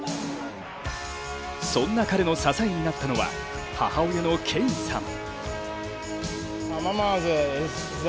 そんな彼の支えになったのは、母親のケインさん。